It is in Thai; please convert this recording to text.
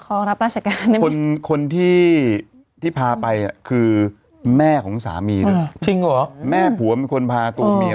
ขอรับรักชการคนที่ที่พาไปอ่ะคือแม่ของสามีครับแม่ผัวมีคนพาตู้เมีย